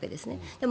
でも。